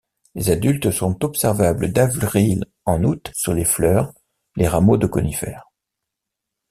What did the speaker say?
Les adultes sont observables d'avril à août sur les fleurs, les rameaux de conifères.